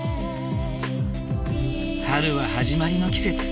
春は始まりの季節。